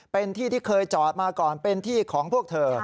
เป็นที่ที่เคยจอดมาก่อนเป็นที่ของพวกเธอ